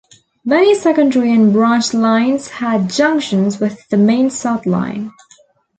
Many secondary and branch lines had junctions with the Main South Line.